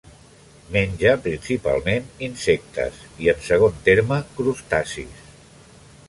Menja principalment insectes i, en segon terme, crustacis.